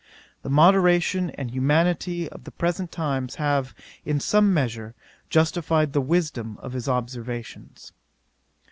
" The moderation and humanity of the present times have, in some measure, justified the wisdom of his observations.